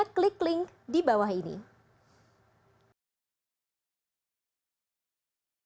di ketahui sandiaga memiliki serangkaian agenda di kabupaten bekasi hari ini